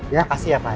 makasih ya pak